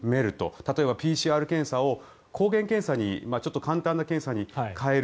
例えばＰＣＲ検査を抗原検査にちょっと簡単な検査に変える